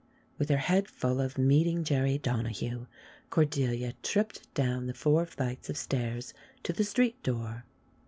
With her head full of meeting Jerry Donahue, Cordelia tripped down the four flights of stairs to the street door.